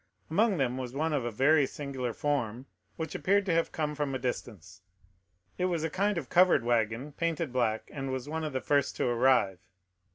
Among them was one of a very singular form, which appeared to have come from a distance. It was a kind of covered wagon, painted black, and was one of the first to arrive.